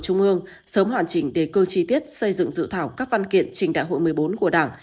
trung ương sớm hoàn chỉnh đề cơ chi tiết xây dựng dự thảo các văn kiện trình đại hội một mươi bốn của đảng